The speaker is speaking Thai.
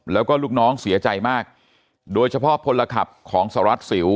แล้วก็ลูกน้องเสียใจมากโดยเฉพาะพลขับของสหรัฐสิว